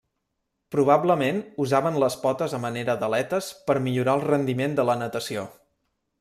Probablement, usaven les potes a manera d'aletes per millorar el rendiment de la natació.